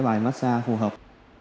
bài massage phù hợp